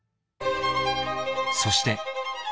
［そして］